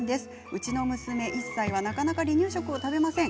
うちの娘１歳はなかなか離乳食を食べません。